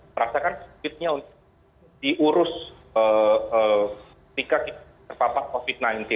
merasakan sedikitnya diurus ketika kita terpapak covid sembilan belas